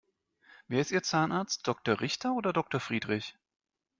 Wer ist ihr Zahnarzt? Doktor Richter oder Doktor Friedrich?